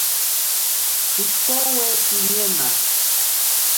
Pikowi piñena.